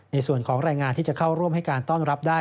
ในส่วนของแรงงานที่จะเข้าร่วมให้การต้อนรับได้